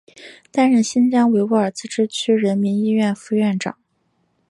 担任新疆维吾尔自治区人民医院副院长。